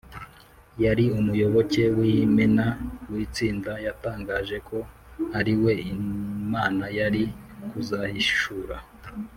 yari umuyoboke w’imena w’itsinda yatangaje ko ari we imana yari kuzahishura